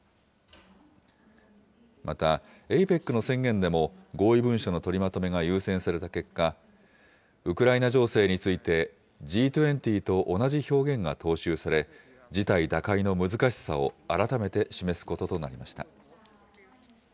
また、ＡＰＥＣの宣言でも、合意文書の取りまとめが優先された結果、ウクライナ情勢について、Ｇ２０と同じ表現が踏襲され、事態打開の難しさを改めて示すこととなりました。